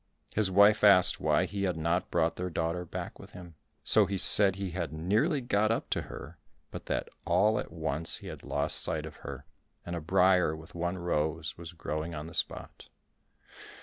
His wife asked why he had not brought their daughter back with him? So he said he had nearly got up to her, but that all at once he had lost sight of her, and a briar with one rose was growing on the spot.